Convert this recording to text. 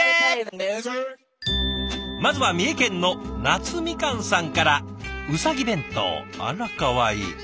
まずは三重県のなつみかんさんから「うさぎ弁当」。あらかわいい！